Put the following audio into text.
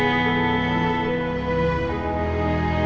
dia sudah kembali ke rumah sakit